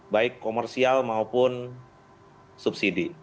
baik komersial maupun subsidi